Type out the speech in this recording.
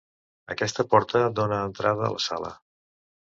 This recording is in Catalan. Aquesta porta dona entrada a la sala.